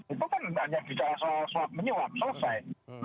itu kan hanya bicara soal suap menyuap selesai